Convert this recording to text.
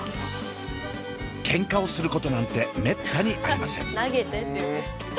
ケンカをすることなんてめったにありません。